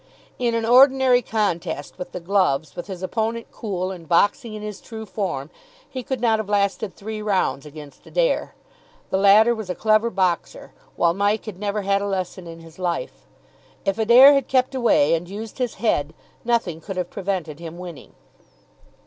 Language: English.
In an ordinary contest with the gloves, with his opponent cool and boxing in his true form, he could not have lasted three rounds against Adair. The latter was a clever boxer, while Mike had never had a lesson in his life. If Adair had kept away and used his head, nothing could have prevented him winning.